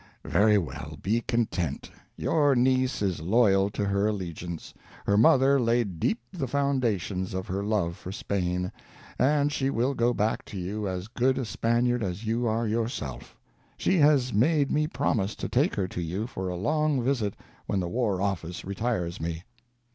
Very well, be content; your niece is loyal to her allegiance: her mother laid deep the foundations of her love for Spain, and she will go back to you as good a Spaniard as you are yourself. She has made me promise to take her to you for a long visit when the War Office retires me.